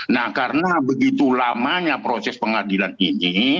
nah karena begitu lamanya proses pengadilan ini